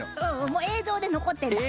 もう映像で残ってんだ。